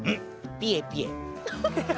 ピエピエ。